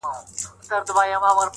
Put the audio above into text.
نن سبا چي څوک د ژوند پر لار ځي پلي -